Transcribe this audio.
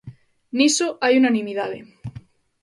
Niso hai unanimidade.